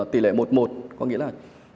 tỷ lệ một một có nghĩa là